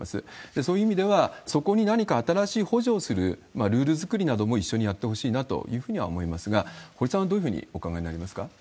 そういう意味では、そこに何か新しい補助をする、ルール作りなども一緒にやってほしいなというふうには思いますが、堀さんはどういうふうにお考えになりますか？